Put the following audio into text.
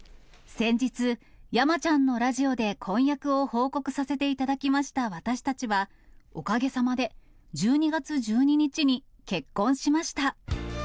先日、山ちゃんのラジオで婚約を報告させていただきました私たちは、おかげさまで、１２月１２日に結婚しました。